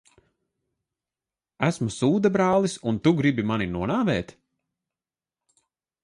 Esmu sūdabrālis, un tu gribi mani nonāvēt?